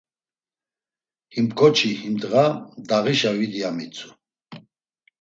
Him ǩoçi, him ndğa dağişa vidi, ya mitzu.